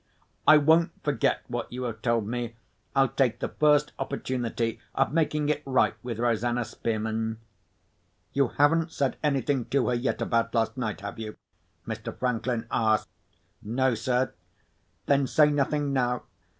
I won't forget what you have told me. I'll take the first opportunity of making it right with Rosanna Spearman." "You haven't said anything to her yet about last night, have you?" Mr. Franklin asked. "No, sir." "Then say nothing now.